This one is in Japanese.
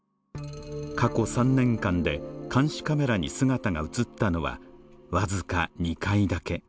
過去３年間で監視カメラに姿が映ったのは、僅か２回だけ。